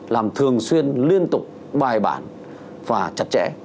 làm thường xuyên liên tục bài bản và chặt chẽ